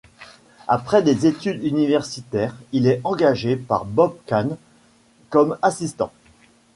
Après des études universitaires il est engagé par Bob Kane comme assistant.